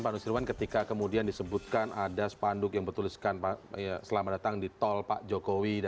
pak nusirwan ketika kemudian disebutkan ada spanduk yang bertuliskan selamat datang di tol pak jokowi